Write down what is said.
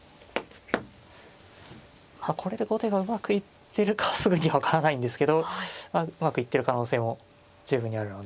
これで後手がうまくいってるかはすぐには分からないんですけどうまくいってる可能性も十分にあるので。